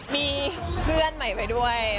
มีเพื่อนใหม่ไปด้วย